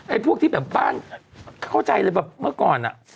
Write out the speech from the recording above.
พวกที่แบบบ้านเข้าใจเลยแบบเมื่อก่อนอ่ะ